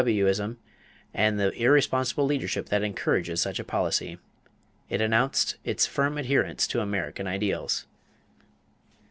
W.W. ism, and the irresponsible leadership that encourages such a policy." It announced its "firm adherence to American ideals."